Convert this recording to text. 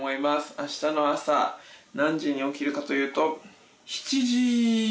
明日の朝何時に起きるかというと。